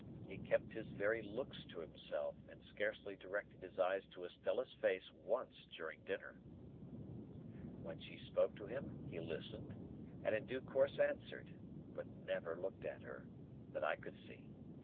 He kept his very looks to himself, and scarcely directed his eyes to Estella's face once during dinner. When she spoke to him, he listened, and in due course answered, but never looked at her, that I could see.